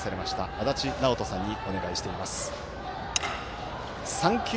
足達尚人さんにお願いしています。